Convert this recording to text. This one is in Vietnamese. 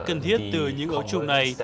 cần thiết từ những ấu trùng này